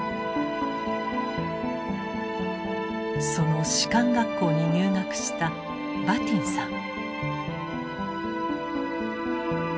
その士官学校に入学したバティンさん。